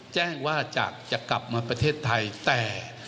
แจ้งว่าจะกลับมาประเทศไทยแต่